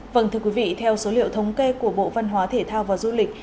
vâng thưa quý vị theo số liệu thống kê của bộ văn hóa thể thao và du lịch